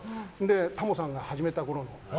タモさんが歌番組、始めたころ。